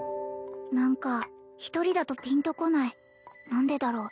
何か１人だとピンとこない何でだろう